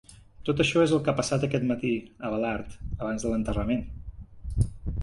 Tot això és el que ha passat aquest matí, Abelard, abans de l'enterrament.